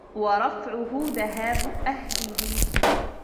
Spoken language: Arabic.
وَرَفْعُهُ ذَهَابُ أَهْلِهِ